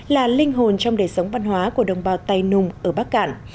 là linh hồn trong đời sống văn hóa của đồng bào tài nùng ở bắc cạn